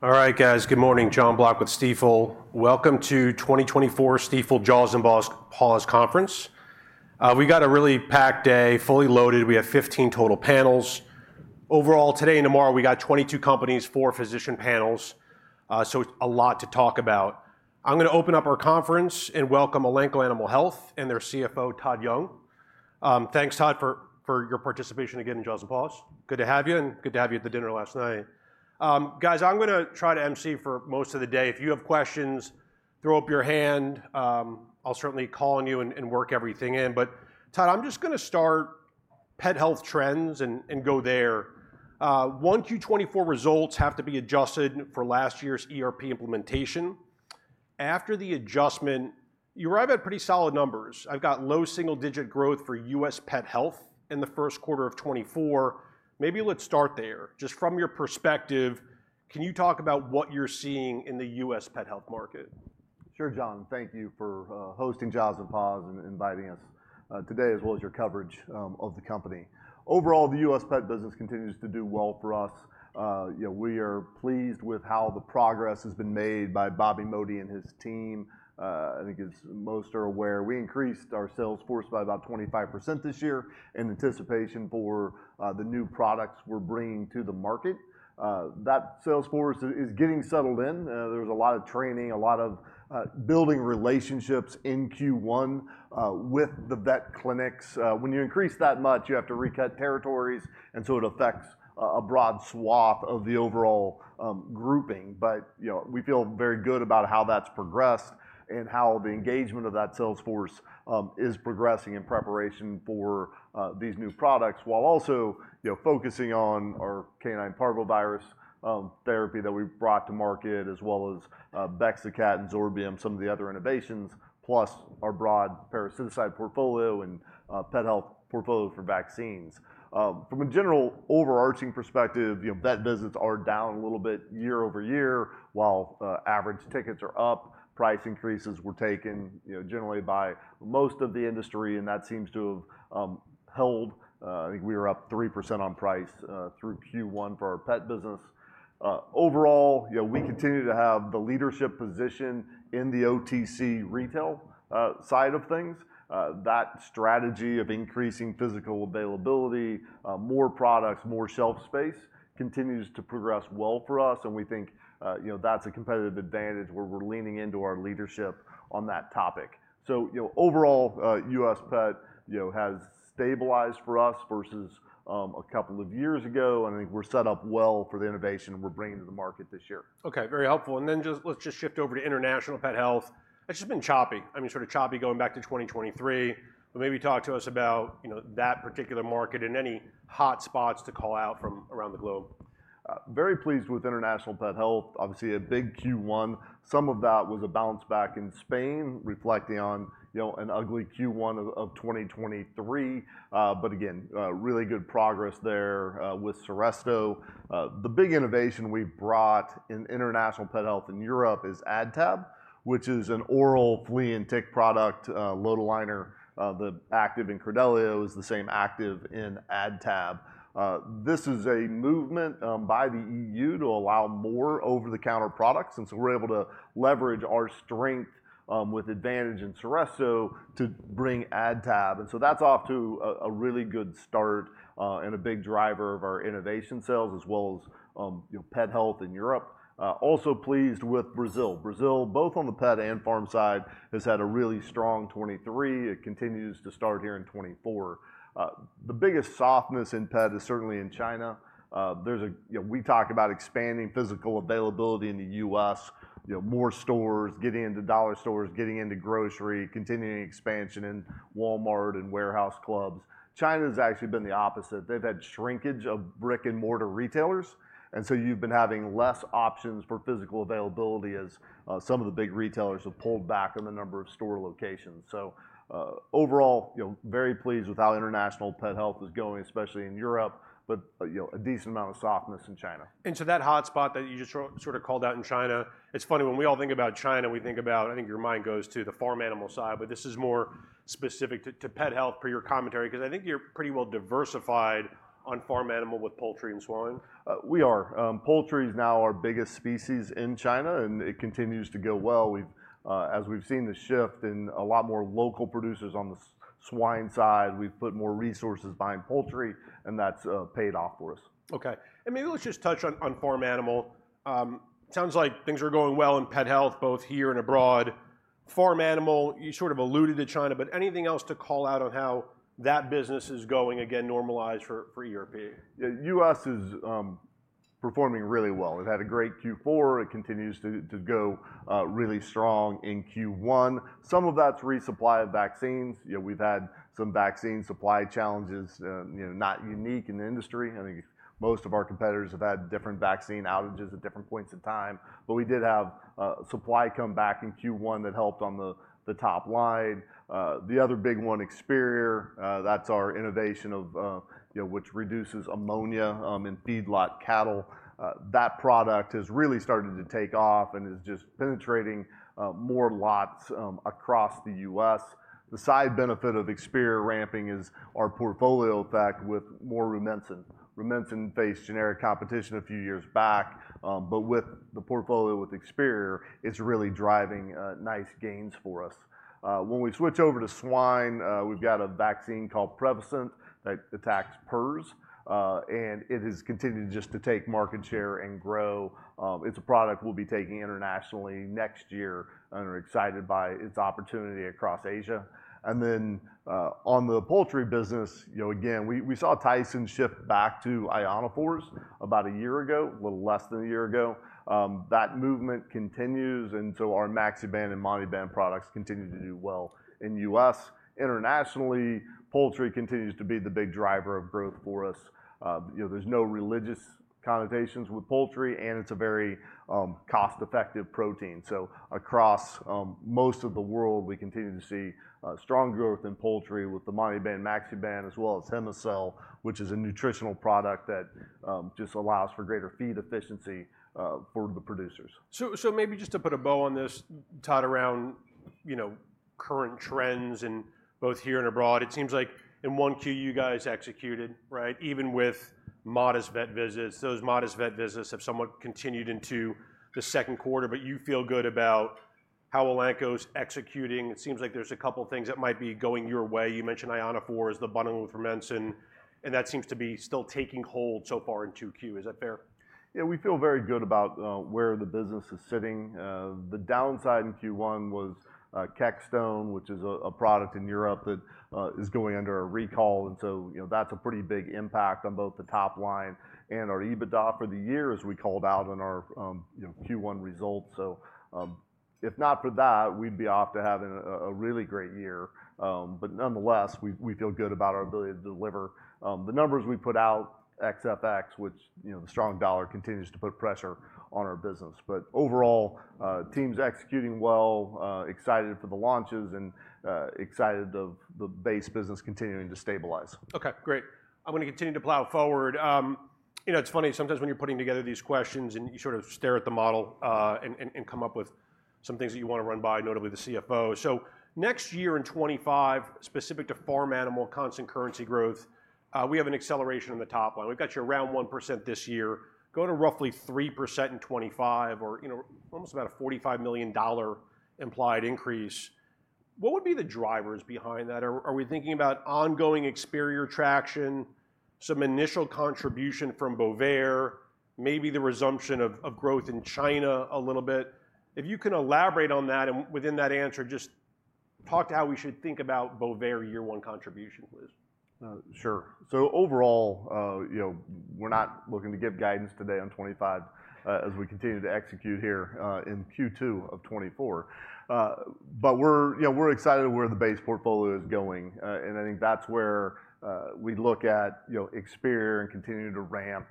All right, guys. Good morning. John Block with Stifel. Welcome to 2024 Stifel Jaws & Paws Conference. We got a really packed day, fully loaded. We have 15 total panels. Overall, today and tomorrow, we got 22 companies, four physician panels, so a lot to talk about. I'm gonna open up our conference and welcome Elanco Animal Health and their CFO, Todd Young. Thanks, Todd, for your participation again in Jaws and Paws. Good to have you, and good to have you at the dinner last night. Guys, I'm gonna try to emcee for most of the day. If you have questions, throw up your hand. I'll certainly call on you and work everything in, but Todd, I'm just gonna pet health trends and go there. 1Q 2024 results have to be adjusted for last year's ERP implementation. After the adjustment, you arrive at pretty solid numbers. I've got low single-digit growth for pet health in the first quarter of 2024. Maybe let's start there. Just from your perspective, can you talk about what you're seeing in the pet health market? Sure, John. Thank you for hosting Jaws and Paws and inviting us today, as well as your coverage of the company. Overall, the U.S. pet business continues to do well for us. You know, we are pleased with how the progress has been made by Bobby Modi and his team. I think as most are aware, we increased our sales force by about 25% this year in anticipation for the new products we're bringing to the market. That sales force is getting settled in. There was a lot of training, a lot of building relationships in Q1 with the vet clinics. When you increase that much, you have to recut territories, and so it affects a broad swath of the overall grouping. You know, we feel very good about how that's progressed and how the engagement of that sales force is progressing in preparation for these new products, while also, you know, focusing on our canine parvovirus therapy that we brought to market, as well as Bexacat and Zorbium, some of the other innovations, plus our broad parasiticide portfolio pet health portfolio for vaccines. From a general overarching perspective, you know, vet visits are down a little bit year-over-year, while average tickets are up. Price increases were taken, you know, generally by most of the industry, and that seems to have held. I think we are up 3% on price through Q1 for our pet business. Overall, you know, we continue to have the leadership position in the OTC retail side of things. That strategy of increasing physical availability, more products, more shelf space, continues to progress well for us, and we think, you know, that's a competitive advantage where we're leaning into our leadership on that topic. So, you know, overall, U.S. pet, you know, has stabilized for us versus a couple of years ago, and I think we're set up well for the innovation we're bringing to the market this year. Okay, very helpful. Then just let's shift over to pet health. it's just been choppy. I mean, sort of choppy going back to 2023. But maybe talk to us about, you know, that particular market and any hot spots to call out from around the globe. Very pleased with pet health. obviously, a big Q1. Some of that was a bounce back in Spain, reflecting on, you know, an ugly Q1 of 2023. But again, really good progress there, with Seresto. The big innovation we've brought in pet health in Europe is AdTab, which is an oral flea and tick product, lotilaner. The active in Credelio is the same active in AdTab. This is a movement by the EU to allow more over-the-counter products, and so we're able to leverage our strength with advantage in Seresto to bring AdTab. And so that's off to a really good start, and a big driver of our innovation sales, as well as, you pet health in Europe. Also pleased with Brazil. Brazil, both on the pet and farm side, has had a really strong 2023. It continues to start here in 2024. The biggest softness in pet is certainly in China. You know, we talk about expanding physical availability in the U.S., you know, more stores, getting into dollar stores, getting into grocery, continuing expansion in Walmart and warehouse clubs. China has actually been the opposite. They've had shrinkage of brick-and-mortar retailers, and so you've been having less options for physical availability as some of the big retailers have pulled back on the number of store locations. So, overall, you know, very pleased with how pet health is going, especially in Europe, but, you know, a decent amount of softness in China. And so that hot spot that you just sort of called out in China, it's funny, when we all think about China, we think about... I think your mind goes to the farm animal side, but this is more specific pet health per your commentary, 'cause I think you're pretty well diversified on farm animal with poultry and swine. We are. Poultry is now our biggest species in China, and it continues to go well. We've, as we've seen the shift in a lot more local producers on the swine side, we've put more resources behind poultry, and that's paid off for us. Okay. And maybe let's just touch on farm animal. Sounds like things are going well pet health, both here and abroad. Farm animal, you sort of alluded to China, but anything else to call out on how that business is going, again, normalized for Europe? Yeah, U.S. is performing really well. We've had a great Q4. It continues to go really strong in Q1. Some of that's resupply of vaccines. You know, we've had some vaccine supply challenges, you know, not unique in the industry. I think most of our competitors have had different vaccine outages at different points in time, but we did have supply come back in Q1 that helped on the top line. The other big one, Experior, that's our innovation of, you know, which reduces ammonia in feedlot cattle. That product has really started to take off and is just penetrating more lots across the U.S. The side benefit of Experior ramping is our portfolio effect with more Rumensin. Rumensin faced generic competition a few years back, but with the portfolio with Experior, it's really driving nice gains for us. When we switch over to swine, we've got a vaccine called Prevacent that attacks PRRS, and it has continued just to take market share and grow. It's a product we'll be taking internationally next year, and are excited by its opportunity across Asia. And then, on the poultry business, you know, again, we, we saw Tyson shift back to ionophores about a year ago, a little less than a year ago. That movement continues, and so our Maxiban and Monteban products continue to do well in U.S. Internationally, poultry continues to be the big driver of growth for us. You know, there's no religious connotations with poultry, and it's a very cost-effective protein. Across most of the world, we continue to see strong growth in poultry with the Monteban, Maxiban, as well as Hemicell, which is a nutritional product that just allows for greater feed efficiency for the producers. So, maybe just to put a bow on this, Todd, around, you know, current trends and both here and abroad, it seems like in 1Q, you guys executed, right? Even with modest vet visits. Those modest vet visits have somewhat continued into the second quarter, but you feel good about how Elanco's executing. It seems like there's a couple things that might be going your way. You mentioned ionophores, the bundling with Rumensin, and that seems to be still taking hold so far in 2Q. Is that fair? Yeah, we feel very good about where the business is sitting. The downside in Q1 was Kextone, which is a product in Europe that is going under a recall, and so, you know, that's a pretty big impact on both the top line and our EBITDA for the year, as we called out on our, you know, Q1 results. So, if not for that, we'd be off to having a really great year. But nonetheless, we feel good about our ability to deliver the numbers we put out, ex FX, which, you know, the strong dollar continues to put pressure on our business. But overall, team's executing well, excited for the launches and excited of the base business continuing to stabilize. Okay, great. I'm gonna continue to plow forward. You know, it's funny, sometimes when you're putting together these questions and you sort of stare at the model, and come up with some things that you wanna run by, notably the CFO. So next year in 2025, specific to farm animal constant currency growth, we have an acceleration on the top line. We've got you around 1% this year, going to roughly 3% in 2025, or, you know, almost about a $45 million implied increase. What would be the drivers behind that? Are we thinking about ongoing Experior traction, some initial contribution from Bovaer, maybe the resumption of growth in China a little bit? If you can elaborate on that, and within that answer, just talk to how we should think about Bovaer year one contribution, please. Sure. So overall, you know, we're not looking to give guidance today on 2025, as we continue to execute here in Q2 of 2024. But we're, you know, excited where the base portfolio is going. And I think that's where we look at, you know, Experior and continuing to ramp.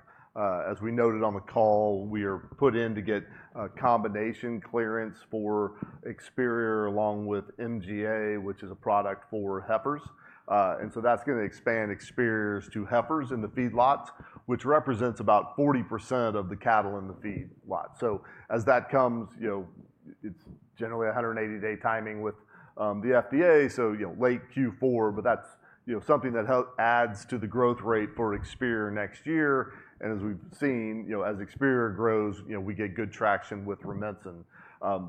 As we noted on the call, we put in to get a combination clearance for Experior, along with MGA, which is a product for heifers. And so that's gonna expand Experior's to heifers in the feedlots, which represents about 40% of the cattle in the feedlot. So as that comes, you know, it's generally a 180-day timing with the FDA, so, you know, late Q4, but that's, you know, something that adds to the growth rate for Experior next year. And as we've seen, you know, as Experior grows, you know, we get good traction with Rumensin.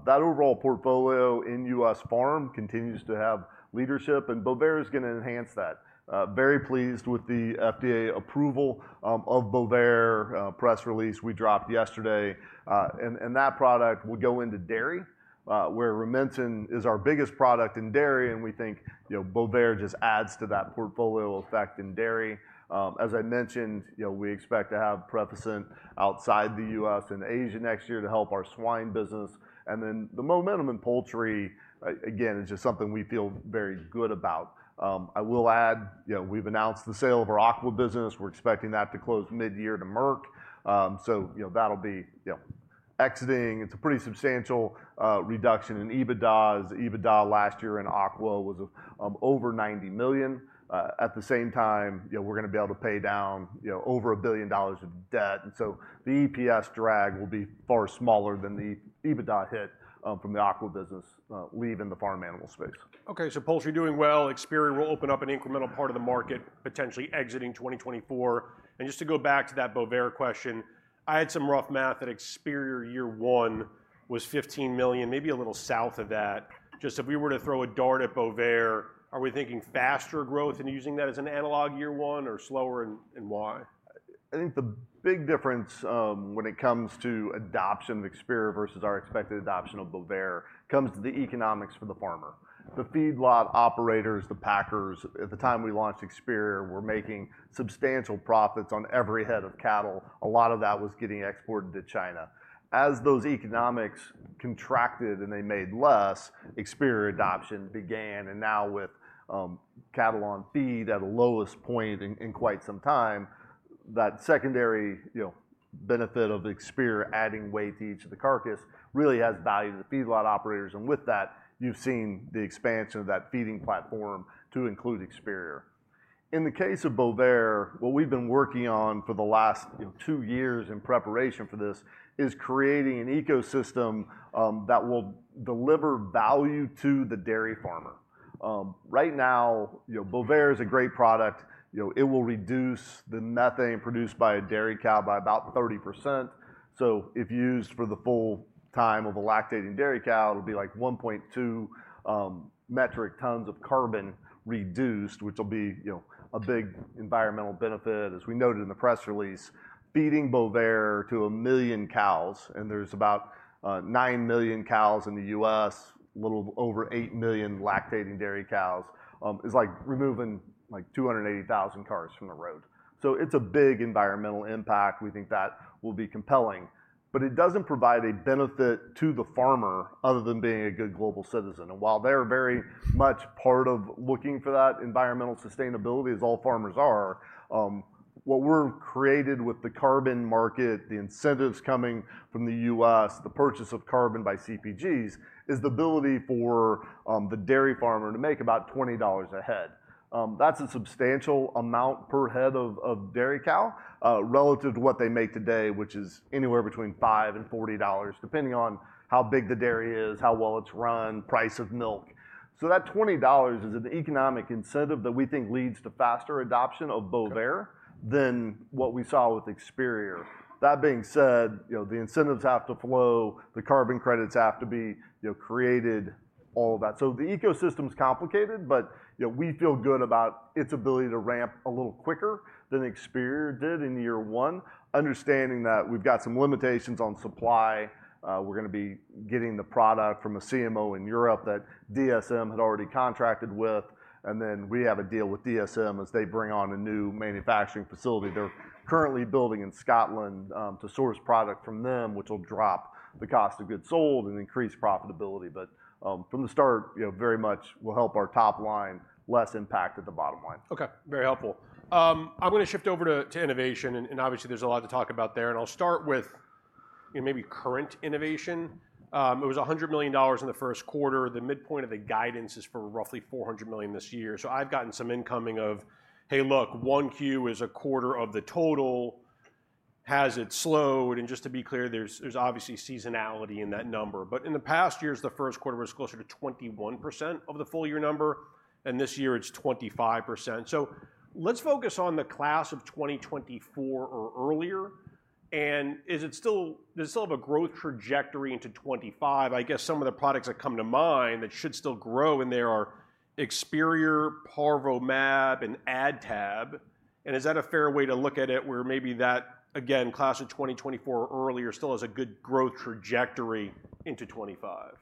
That overall portfolio in U.S. farm continues to have leadership, and Bovaer is gonna enhance that. Very pleased with the FDA approval of Bovaer, press release we dropped yesterday. And, and that product would go into dairy, where Rumensin is our biggest product in dairy, and we think, you know, Bovaer just adds to that portfolio effect in dairy. As I mentioned, you know, we expect to have Prevacent outside the U.S. and Asia next year to help our swine business. And then, the momentum in poultry, again, is just something we feel very good about. I will add, you know, we've announced the sale of our aqua business. We're expecting that to close mid-year to Merck. So, you know, that'll be, you know, exiting. It's a pretty substantial reduction in EBITDA. EBITDA last year in aqua was over $90 million. At the same time, you know, we're gonna be able to pay down, you know, over $1 billion of debt, and so the EPS drag will be far smaller than the EBITDA hit from the aqua business leave in the farm animal space. Okay, so poultry doing well. Experior will open up an incremental part of the market, potentially exiting 2024. And just to go back to that Bovaer question, I had some rough math at Experior year one was $15 million, maybe a little south of that. Just if we were to throw a dart at Bovaer, are we thinking faster growth and using that as an analog year one, or slower, and why?... I think the big difference, when it comes to adoption of Experior versus our expected adoption of Bovaer, comes to the economics for the farmer. The feedlot operators, the packers, at the time we launched Experior, were making substantial profits on every head of cattle. A lot of that was getting exported to China. As those economics contracted, and they made less, Experior adoption began, and now with, cattle on feed at the lowest point in quite some time, that secondary, you know, benefit of Experior adding weight to each of the carcass, really adds value to the feedlot operators. With that, you've seen the expansion of that feeding platform to include Experior. In the case of Bovaer, what we've been working on for the last, you know, two years in preparation for this, is creating an ecosystem that will deliver value to the dairy farmer. Right now, you know, Bovaer is a great product. You know, it will reduce the methane produced by a dairy cow by about 30%. So if used for the full time of a lactating dairy cow, it'll be like 1.2 metric tons of carbon reduced, which will be, you know, a big environmental benefit. As we noted in the press release, feeding Bovaer to 1 million cows, and there's about nine million cows in the U.S., a little over eight million lactating dairy cows, is like removing like 280,000 cars from the road. So it's a big environmental impact. We think that will be compelling, but it doesn't provide a benefit to the farmer other than being a good global citizen. And while they're very much part of looking for that environmental sustainability, as all farmers are, what we're created with the carbon market, the incentives coming from the US, the purchase of carbon by CPGs, is the ability for the dairy farmer to make about $20 a head. That's a substantial amount per head of dairy cow relative to what they make today, which is anywhere between $5 and $40, depending on how big the dairy is, how well it's run, price of milk. So that $20 is an economic incentive that we think leads to faster adoption of Bovaer- Okay... than what we saw with Experior. That being said, you know, the incentives have to flow, the carbon credits have to be, you know, created, all of that. So the ecosystem is complicated, but, you know, we feel good about its ability to ramp a little quicker than Experior did in year one, understanding that we've got some limitations on supply. We're gonna be getting the product from a CMO in Europe that DSM had already contracted with, and then we have a deal with DSM as they bring on a new manufacturing facility they're currently building in Scotland, to source product from them, which will drop the cost of goods sold and increase profitability. But, from the start, you know, very much will help our top line, less impact at the bottom line. Okay, very helpful. I'm gonna shift over to innovation, and obviously, there's a lot to talk about there. I'll start with, you know, maybe current innovation. It was $100 million in the first quarter. The midpoint of the guidance is for roughly $400 million this year. So I've gotten some incoming of, "Hey, look, one Q is a quarter of the total. Has it slowed?" And just to be clear, there's obviously seasonality in that number. But in the past years, the first quarter was closer to 21% of the full year number, and this year it's 25%. So let's focus on the class of 2024 or earlier, and is it still, does it still have a growth trajectory into 2025? I guess some of the products that come to mind that should still grow in there are Experior, Parvo mAb, and AdTab. And is that a fair way to look at it, where maybe that, again, class of 2024 or earlier, still has a good growth trajectory into 2025?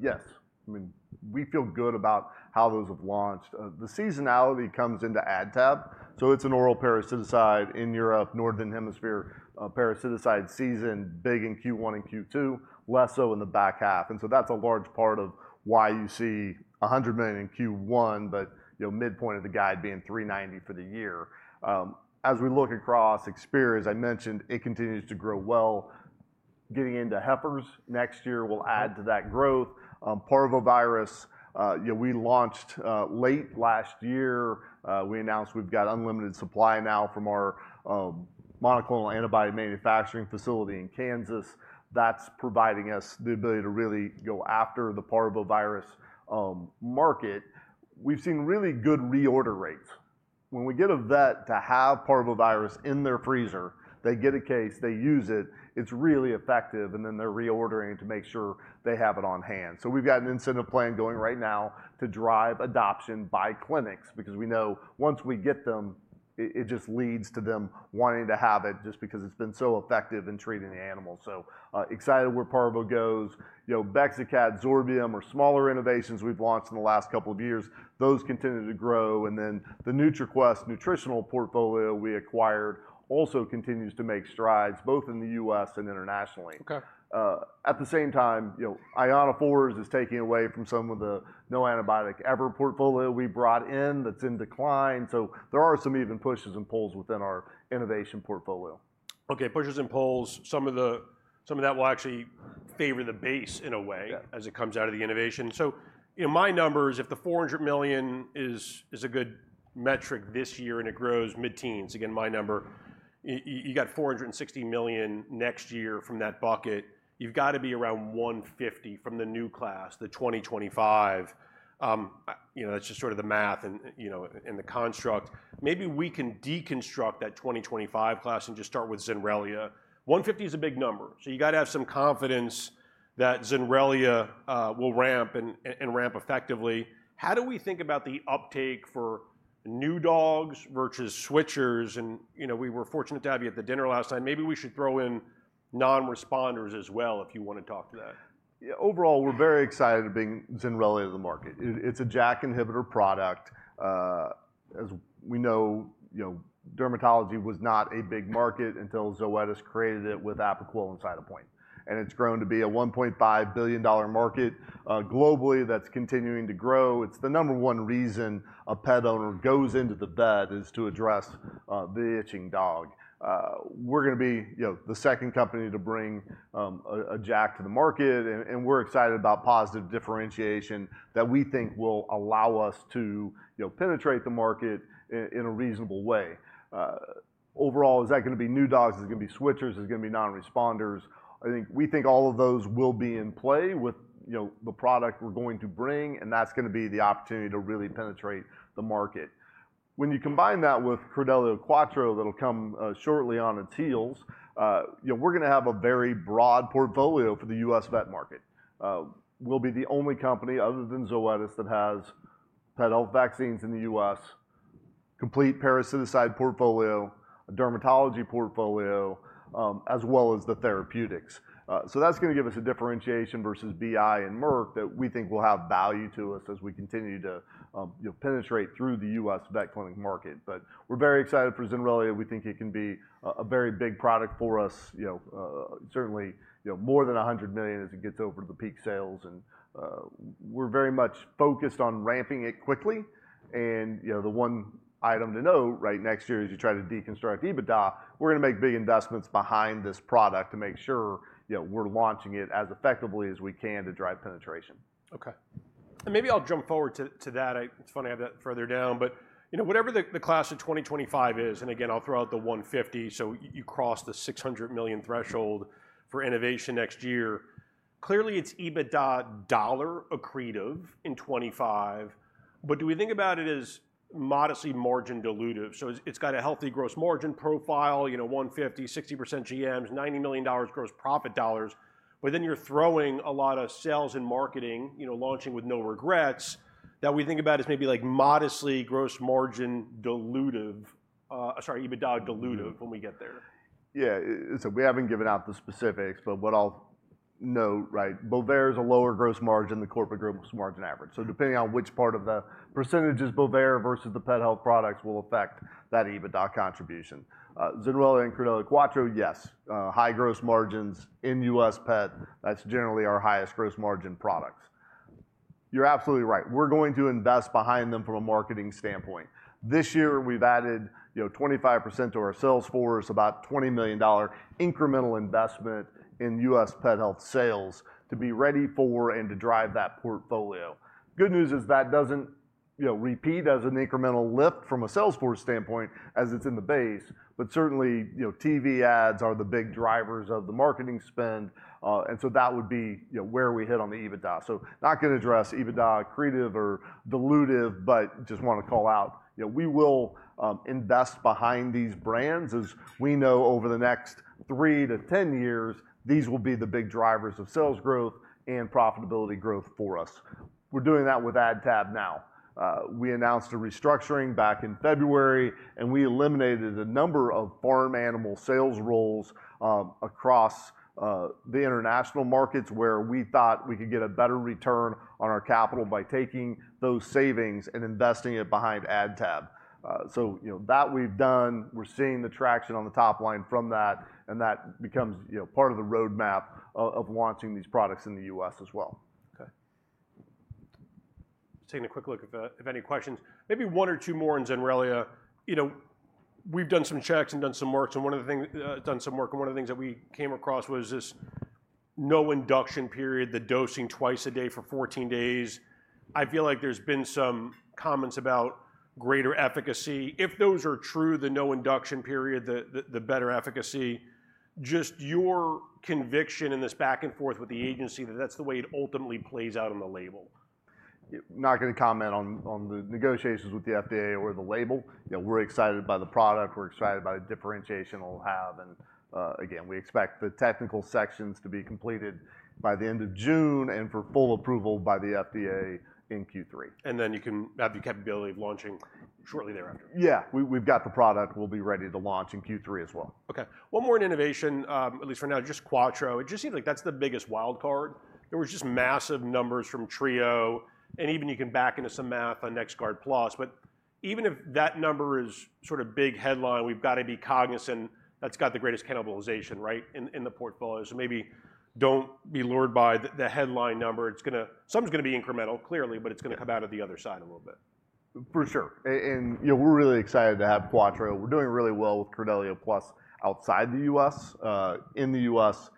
Yes. I mean, we feel good about how those have launched. The seasonality comes into AdTab, so it's an oral parasiticide in Europe, Northern Hemisphere. Parasiticide season, big in Q1 and Q2, less so in the back half. And so that's a large part of why you see $100 million in Q1, but, you know, midpoint of the guide being $390 million for the year. As we look across Experior, as I mentioned, it continues to grow well. Getting into heifers next year will add to that growth. Parvovirus, you know, we launched late last year. We announced we've got unlimited supply now from our monoclonal antibody manufacturing facility in Kansas. That's providing us the ability to really go after the parvovirus market. We've seen really good reorder rates. When we get a vet to have parvovirus in their freezer, they get a case, they use it, it's really effective, and then they're reordering to make sure they have it on hand. So we've got an incentive plan going right now to drive adoption by clinics, because we know once we get them, it, it just leads to them wanting to have it, just because it's been so effective in treating the animals. So, excited where Parvo goes. You know, Bexacat, Zorbium or smaller innovations we've launched in the last couple of years, those continue to grow. And then the NutriQuest nutritional portfolio we acquired also continues to make strides, both in the U.S. and internationally. Okay. At the same time, you know, ionophores is taking away from some of the no antibiotic ever portfolio we brought in, that's in decline. So there are some even pushes and pulls within our innovation portfolio. Okay, pushes and pulls, some of that will actually favor the base in a way- Yeah... as it comes out of the innovation. So, you know, my number is, if the $400 million is a good metric this year, and it grows mid-teens, again, my number, you got $460 million next year from that bucket. You've got to be around $150 from the new class, the 2025. You know, that's just sort of the math and, you know, and the construct. Maybe we can deconstruct that 2025 class and just start with Zenrelia. $150 is a big number, so you gotta have some confidence that Zenrelia will ramp and ramp effectively. How do we think about the uptake for new dogs versus switchers, and, you know, we were fortunate to have you at the dinner last night. Maybe we should throw in non-responders as well, if you wanna talk to that. Yeah, overall, we're very excited to bring Zenrelia into the market. It, it's a JAK inhibitor product. As we know, you know, dermatology was not a big market until Zoetis created it with Apoquel and Cytopoint, and it's grown to be a $1.5 billion market, globally, that's continuing to grow. It's the number one reason a pet owner goes into the vet, is to address the itching dog. We're gonna be, you know, the second company to bring a JAK to the market, and we're excited about positive differentiation that we think will allow us to, you know, penetrate the market in a reasonable way. Overall, is that gonna be new dogs, is it gonna be switchers, is it gonna be non-responders? I think we think all of those will be in play with, you know, the product we're going to bring, and that's gonna be the opportunity to really penetrate the market. When you combine that with Credelio Quattro, that'll come shortly on the heels, you know, we're gonna have a very broad portfolio for the U.S. vet market. We'll be the only company other than Zoetis that pet health vaccines in the U.S., complete parasiticide portfolio, a dermatology portfolio, as well as the therapeutics. So that's gonna give us a differentiation versus BI and Merck that we think will have value to us as we continue to, you know, penetrate through the U.S. vet clinic market. But we're very excited for Zenrelia, and we think it can be a very big product for us. You know, certainly, you know, more than $100 million as it gets over the peak sales, and, we're very much focused on ramping it quickly. You know, the one item to note, right, next year, as you try to deconstruct EBITDA, we're gonna make big investments behind this product to make sure, you know, we're launching it as effectively as we can to drive penetration. Okay. And maybe I'll jump forward to that, it's funny I have that further down. But, you know, whatever the class of 2025 is, and again, I'll throw out the $150, so you cross the $600 million threshold for innovation next year. Clearly, it's EBITDA dollar accretive in 2025, but do we think about it as modestly margin dilutive? So it's got a healthy gross margin profile, you know, $150, 60% GMs, $90 million gross profit dollars, but then you're throwing a lot of sales and marketing, you know, launching with no regrets, that we think about as maybe like modestly gross margin dilutive, sorry, EBITDA dilutive- Mm-hmm... when we get there. Yeah, so we haven't given out the specifics, but what I'll note, right, Bovaer is a lower gross margin, the corporate group's margin average. So depending on which part of the percentage is Bovaer versus pet health products will affect that EBITDA contribution. Zenrelia and Credelio Quattro, yes, high gross margins in U.S. pet, that's generally our highest gross margin products. You're absolutely right. We're going to invest behind them from a marketing standpoint. This year, we've added, you know, 25% to our sales force, about $20 million incremental investment in pet health sales to be ready for and to drive that portfolio. Good news is that doesn't, you know, repeat as an incremental lift from a sales force standpoint as it's in the base. But certainly, you know, TV ads are the big drivers of the marketing spend, and so that would be, you know, where we hit on the EBITDA. So not gonna address EBITDA accretive or dilutive, but just wanna call out, you know, we will invest behind these brands. As we know, over the next three-10 years, these will be the big drivers of sales growth and profitability growth for us. We're doing that with AdTab now. We announced a restructuring back in February, and we eliminated a number of farm animal sales roles across the international markets, where we thought we could get a better return on our capital by taking those savings and investing it behind AdTab. So, you know, that we've done. We're seeing the traction on the top line from that, and that becomes, you know, part of the roadmap of launching these products in the U.S. as well. Okay. Just taking a quick look if any questions. Maybe one or two more on Zenrelia. You know, we've done some checks and done some work, and one of the things that we came across was this no induction period, the dosing twice a day for 14 days. I feel like there's been some comments about greater efficacy. If those are true, the no induction period, the better efficacy, just your conviction in this back and forth with the agency, that that's the way it ultimately plays out on the label. I'm not gonna comment on the negotiations with the FDA or the label. You know, we're excited by the product, we're excited about the differentiation it'll have, and, again, we expect the technical sections to be completed by the end of June, and for full approval by the FDA in Q3. And then you can have the capability of launching shortly thereafter? Yeah. We've got the product. We'll be ready to launch in Q3 as well. Okay. One more in innovation, at least for now, just Quattro. It just seems like that's the biggest wild card. There was just massive numbers from Trio, and even you can back into some math on NexGard Plus. But even if that number is sort of big headline, we've gotta be cognizant that's got the greatest cannibalization, right? In the portfolio. So maybe don't be lured by the headline number, it's gonna... something's gonna be incremental, clearly- Yeah... but it's gonna come out of the other side a little bit. For sure. You know, we're really excited to have Quattro. We're doing really well with Credelio Plus outside the U.S. In the U.S.,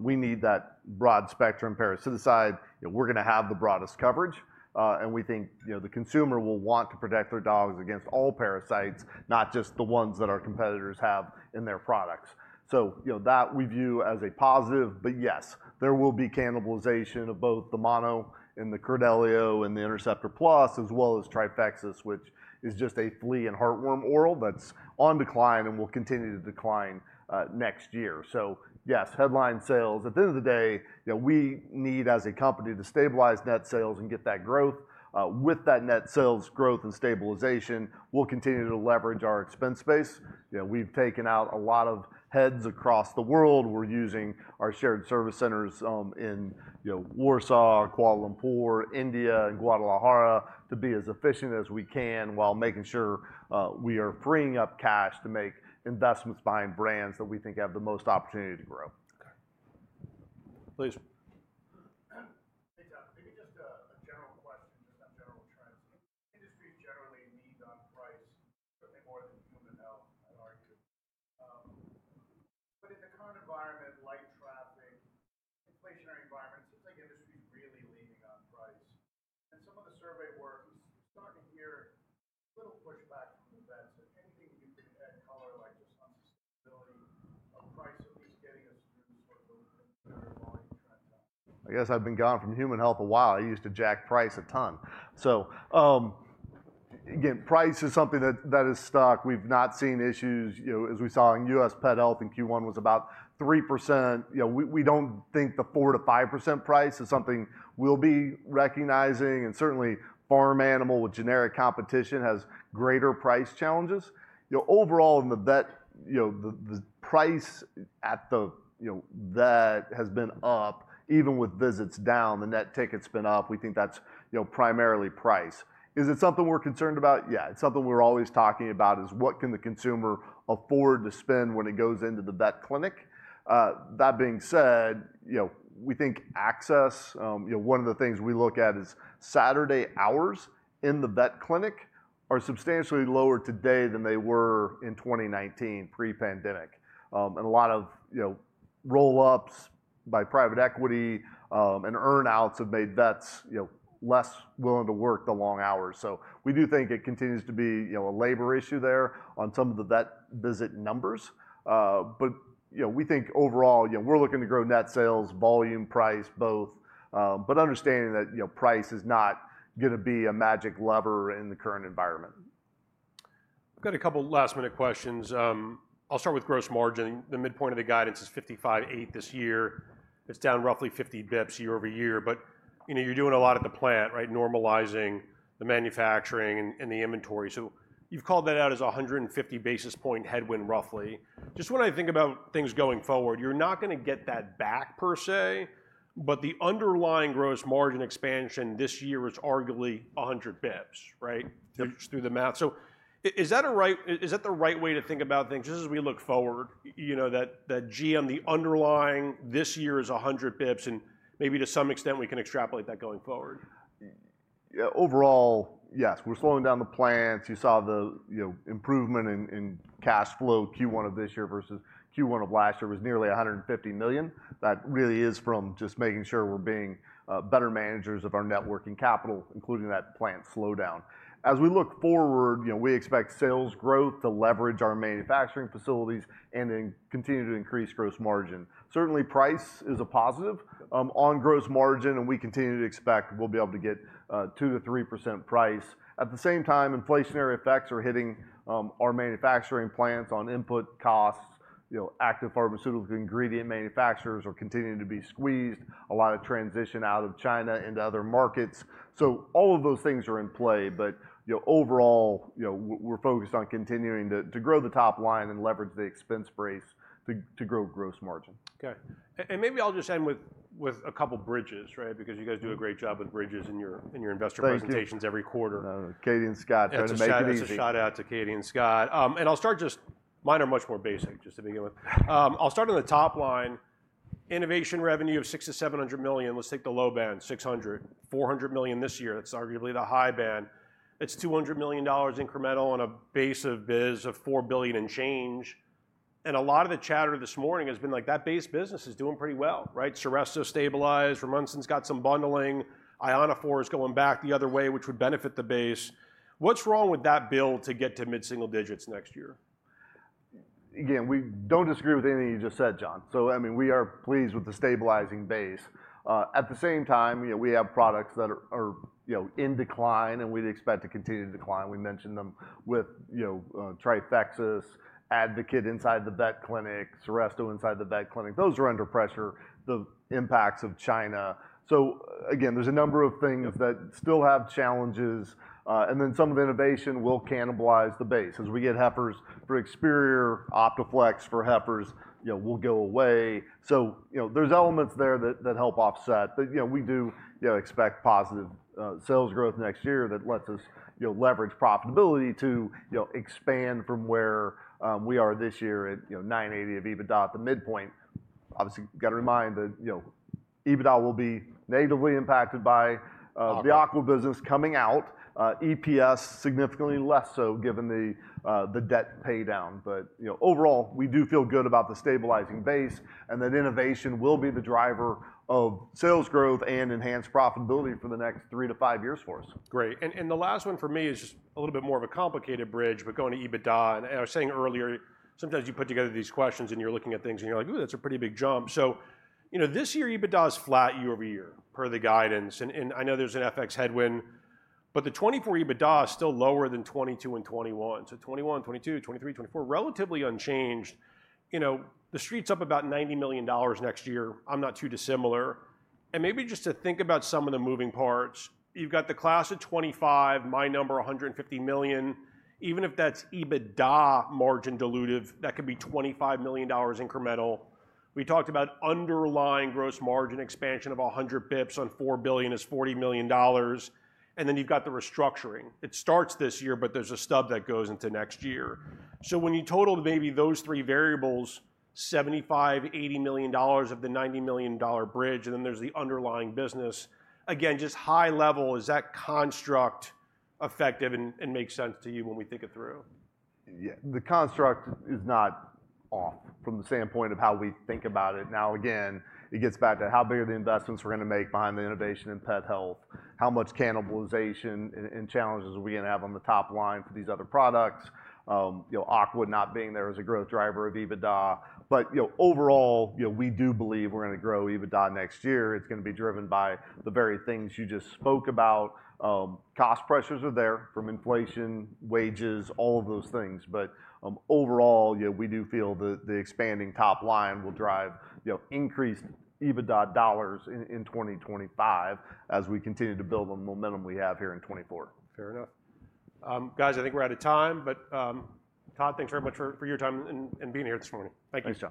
we need that broad-spectrum parasiticide, and we're gonna have the broadest coverage. And we think, you know, the consumer will want to protect their dogs against all parasites, not just the ones that our competitors have in their products. So, you know, that we view as a positive. But yes, there will be cannibalization of both the Mono and the Credelio and the Interceptor Plus, as well as Trifexis, which is just a flea and heartworm oral that's on decline and will continue to decline next year. So yes, headline sales. At the end of the day, you know, we need, as a company, to stabilize net sales and get that growth. With that net sales growth and stabilization, we'll continue to leverage our expense base. You know, we've taken out a lot of heads across the world. We're using our shared service centers in, you know, Warsaw, Kuala Lumpur, India, and Guadalajara to be as efficient as we can, while making sure we are freeing up cash to make investments behind brands that we think have the most opportunity to grow. Okay. Please.... Yeah, maybe just a general question just on general trends. Industries generally lean on price certainly more than human health, I'd argue. But in the current environment, light traffic, inflationary environment, seems like industry is really leaning on price. In some of the survey work, we're starting to hear a little pushback from events. So anything you could add color, like just on sustainability of price, at least getting us through sort of volume trend? I guess I've been gone from human health a while. I used to jack price a ton. So, again, price is something that, that is stuck. We've not seen issues, you know, as we saw in pet health in Q1 was about 3%. You know, we, we don't think the 4%-5% price is something we'll be recognizing, and certainly farm animal with generic competition has greater price challenges. You know, overall in the vet, you know, the, the price at the, you know, that has been up, even with visits down, the net ticket's been up. We think that's, you know, primarily price. Is it something we're concerned about? Yeah, it's something we're always talking about, is what can the consumer afford to spend when it goes into the vet clinic? That being said, you know, we think access, you know, one of the things we look at is Saturday hours in the vet clinic are substantially lower today than they were in 2019 pre-pandemic. And a lot of, you know, roll-ups by private equity, and earn-outs have made vets, you know, less willing to work the long hours. So we do think it continues to be, you know, a labor issue there on some of the vet visit numbers. But, you know, we think overall, you know, we're looking to grow net sales, volume, price, both, but understanding that, you know, price is not gonna be a magic lever in the current environment. I've got a couple last-minute questions. I'll start with gross margin. The midpoint of the guidance is 55.8 this year. It's down roughly 50 basis points year-over-year, but, you know, you're doing a lot at the plant, right? Normalizing the manufacturing and the inventory. So you've called that out as a 150 basis point headwind, roughly. Just when I think about things going forward, you're not gonna get that back per se, but the underlying gross margin expansion this year is arguably 100 basis points, right? Yeah. Just through the math. So is that the right way to think about things, just as we look forward, you know, that, that GM, the underlying this year is 100 basis points, and maybe to some extent, we can extrapolate that going forward? Yeah, overall, yes, we're slowing down the plants. You saw the, you know, improvement in cash flow, Q1 of this year versus Q1 of last year was nearly $150 million. That really is from just making sure we're being better managers of our working capital, including that plant slowdown. As we look forward, you know, we expect sales growth to leverage our manufacturing facilities and then continue to increase gross margin. Certainly, price is a positive on gross margin, and we continue to expect we'll be able to get 2%-3% price. At the same time, inflationary effects are hitting our manufacturing plants on input costs. You know, active pharmaceutical ingredient manufacturers are continuing to be squeezed. A lot of transition out of China into other markets. So all of those things are in play, but, you know, overall, you know, we're focused on continuing to grow the top line and leverage the expense base to grow gross margin. Okay. And maybe I'll just end with a couple of bridges, right? Because you guys do a great job with bridges in your investor- Thank you... presentations every quarter. Katy and Scott try to make it easy. That's a shout-out to Katy and Scott. And I'll start just. Mine are much more basic, just to begin with. I'll start on the top line. Innovation revenue of $600 million-$700 million. Let's take the low band, $600 million. $400 million this year, that's arguably the high band. It's $200 million incremental on a base of biz of $4 billion and change, and a lot of the chatter this morning has been like, that base business is doing pretty well, right? Seresto stabilized, Rumensin's got some bundling, Ionophore is going back the other way, which would benefit the base. What's wrong with that build to get to mid-single digits next year? Again, we don't disagree with anything you just said, John. So I mean, we are pleased with the stabilizing base. At the same time, you know, we have products that are, you know, in decline, and we'd expect to continue to decline. We mentioned them with, you know, Trifexis, Advocate inside the vet clinic, Seresto inside the vet clinic. Those are under pressure, the impacts of China. So again, there's a number of things that still have challenges, and then some of innovation will cannibalize the base. As we get Heifers for Experior, Optaflexx for Heifers, you know, will go away. So, you know, there's elements there that, that help offset, but, you know, we do, you know, expect positive sales growth next year that lets us, you know, leverage profitability to, you know, expand from where we are this year at, you know, $980 million of EBITDA at the midpoint. Obviously, got to remind that, you know, EBITDA will be negatively impacted by, Okay.... the Aqua business coming out, EPS, significantly less so given the debt paydown. But, you know, overall, we do feel good about the stabilizing base, and that innovation will be the driver of sales growth and enhanced profitability for the next three to five years for us. Great, and the last one for me is just a little bit more of a complicated bridge, but going to EBITDA. I was saying earlier, sometimes you put together these questions, and you're looking at things, and you're like: Ooh, that's a pretty big jump. So, you know, this year EBITDA is flat year over year, per the guidance. And I know there's an FX headwind, but the 2024 EBITDA is still lower than 2022 and 2021. So 2021, 2022, 2023, 2024, relatively unchanged. You know, the street's up about $90 million next year. I'm not too dissimilar. And maybe just to think about some of the moving parts, you've got the class of 2025, my number, $150 million. Even if that's EBITDA margin dilutive, that could be $25 million incremental. We talked about underlying gross margin expansion of 100 basis points on $4 billion is $40 million, and then you've got the restructuring. It starts this year, but there's a stub that goes into next year. So when you total maybe those three variables, $75-$80 million of the $90 million bridge, and then there's the underlying business. Again, just high level, is that construct effective and, and makes sense to you when we think it through? Yeah. The construct is not off from the standpoint of how we think about it. Now, again, it gets back to how big are the investments we're gonna make behind the innovation pet health? how much cannibalization and challenges are we gonna have on the top line for these other products? You know, Aqua not being there as a growth driver of EBITDA. But, you know, overall, you know, we do believe we're gonna grow EBITDA next year. It's gonna be driven by the very things you just spoke about. Cost pressures are there from inflation, wages, all of those things. But, overall, you know, we do feel the expanding top line will drive, you know, increased EBITDA dollars in 2025 as we continue to build on the momentum we have here in 2024. Fair enough. Guys, I think we're out of time, but Todd, thanks very much for your time and being here this morning. Thank you, sir.